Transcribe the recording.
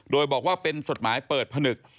โดยบอกว่าเป็นจดหมายเปิดผนึก